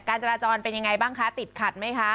จราจรเป็นยังไงบ้างคะติดขัดไหมคะ